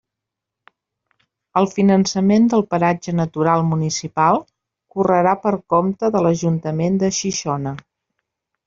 El finançament del Paratge Natural Municipal correrà per compte de l'Ajuntament de Xixona.